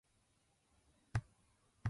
洗濯する。